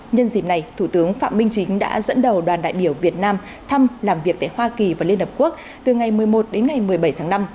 nhân dịp này thủ tướng phạm minh chính đã dẫn đầu đoàn đại biểu việt nam thăm làm việc tại hoa kỳ và liên hợp quốc từ ngày một mươi một đến ngày một mươi bảy tháng năm